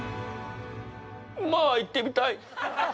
まあ行ってみたい！